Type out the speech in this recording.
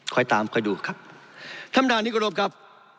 ค่อยตามค่อยดูครับธรรมดานนี้กระโดบครับ